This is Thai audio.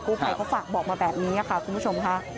ผู้ภัยเขาฝากบอกมาแบบนี้ค่ะคุณผู้ชมค่ะ